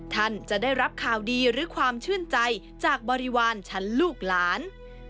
ท่านจะได้รับข่าวดีหรือความชื่นใจจากบริวารชั้นลูกหลาน